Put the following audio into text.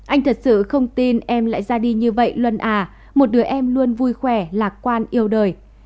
anh thật sự không tin em lại ra đi như vậy luân à một đứa em luôn vui khỏe lạc quan yêu đời